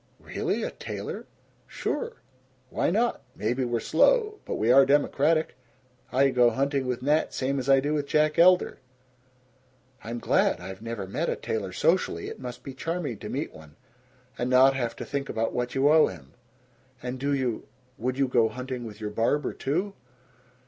"Really? A tailor?" "Sure. Why not? Maybe we're slow, but we are democratic. I go hunting with Nat same as I do with Jack Elder." "I'm glad. I've never met a tailor socially. It must be charming to meet one and not have to think about what you owe him. And do you Would you go hunting with your barber, too?"